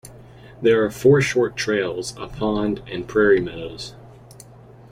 There are four short trails, a pond, and prairie meadows.